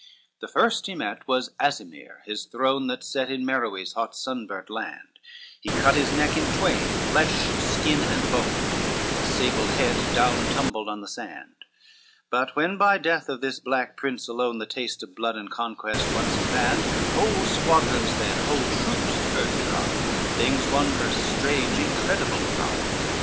LIV The first he met was Asimire, his throne That set in Meroe's hot sunburnt land, He cut his neck in twain, flesh, skin and bone, The sable head down tumbled on the sand; But when by death of this black prince alone The taste of blood and conquest once he fand, Whole squadrons then, whole troops to earth he brought, Things wondrous, strange, incredible he wrought.